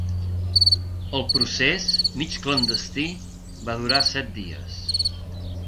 El procés, mig clandestí, va durar set dies.